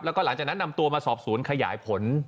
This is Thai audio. แล้วก็หลังจากนั้นนำตัวมาสอบสวนขยายผล